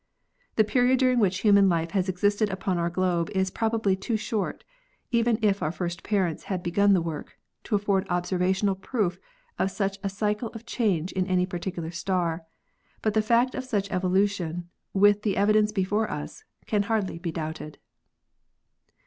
The period during which human life has existed upon our globe is probably too short — even if our first parents had begun the work — to afford observational proof of such a cycle of change in any particular star ; but the fact of such evolution, with the evidence before us, can hardly be doubted."